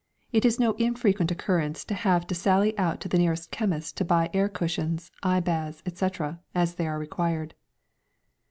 It is no infrequent occurrence to have to sally out to the nearest chemist to buy air cushions, eye baths, etc., as they are required.